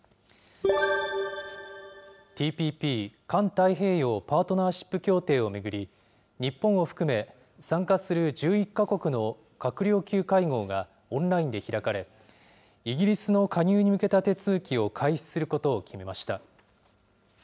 ＴＰＰ・環太平洋パートナーシップ協定を巡り、日本を含め、参加する１１か国の閣僚級会合がオンラインで開かれ、イギリスの加入に向けた手続きを開始することを決めました。